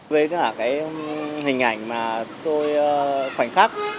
với cả cái hình ảnh mà tôi khoảnh khắc